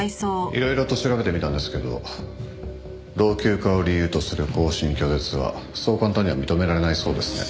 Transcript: いろいろと調べてみたんですけど老朽化を理由とする更新拒絶はそう簡単には認められないそうですね。